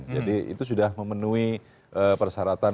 jadi itu sudah memenuhi persyaratan